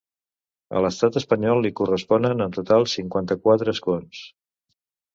A l’estat espanyol li corresponen en total cinquanta-quatre escons.